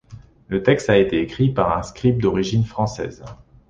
Le texte a été écrit par un scribe d'origine française.